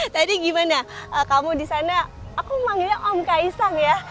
tadi gimana kamu di sana aku memanggilnya om kaisang ya